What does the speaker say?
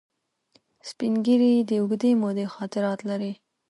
سپین ږیری د اوږدې مودې خاطرات لري